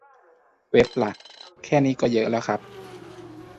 เว็บละ แค่นี้ก็เยอะแล้วครับ